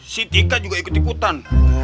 si tika juga ikut ikutan